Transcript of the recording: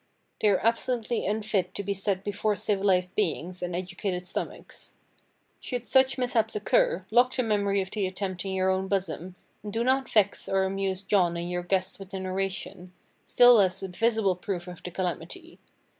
They are absolutely unfit to be set before civilized beings and educated stomachs. Should such mishaps occur, lock the memory of the attempt in your own bosom, and do not vex or amuse John and your guests with the narration, still less with visible proof of the calamity.